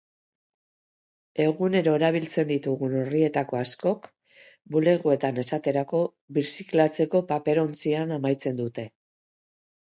Egunero erabiltzen ditugun orrietako askok, bulegoetan esaterako, birziklatzeko paperontzian amaitzen dute.